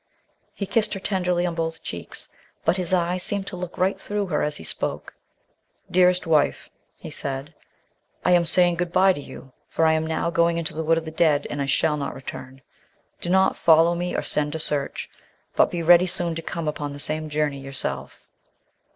He kissed her tenderly on both cheeks, but his eyes seemed to look right through her as he spoke. "Dearest wife," he said, "I am saying good bye to you, for I am now going into the Wood of the Dead, and I shall not return. Do not follow me, or send to search, but be ready soon to come upon the same journey yourself."